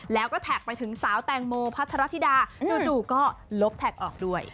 แล้วก็แท็กไปถึงสาวแตงโมพัทรธิดาจู่ก็ลบแท็กออกด้วย